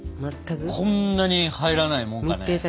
こんなに入らないもんかね。